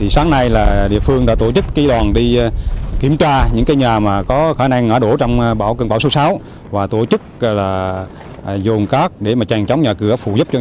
sáng nay địa phương đã tổ chức kỳ đoàn đi kiểm tra những nhà có khả năng ngã đổ trong cơn bão số sáu và tổ chức dồn cát để chèn trống nhà cửa